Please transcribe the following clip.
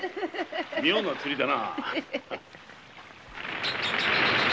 妙な釣りだな。